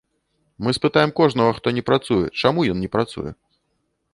Мы спытаем кожнага, хто не працуе, чаму ён не працуе.